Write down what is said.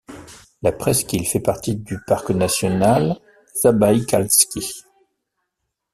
La presqu'île fait partie du parc national Zabaïkalski.